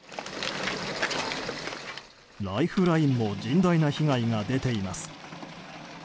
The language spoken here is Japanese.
ライフラインも甚大な被害が出ています。